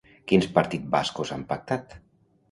Quins partits bascos han pactat?